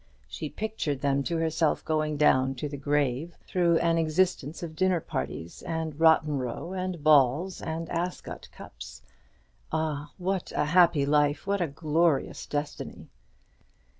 She pictured them to herself going down to the grave through an existence of dinner parties, and Rotten Row, and balls, and Ascot cups. Ah, what a happy life! what a glorious destiny!